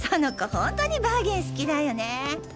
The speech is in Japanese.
ほんとにバーゲン好きだよね。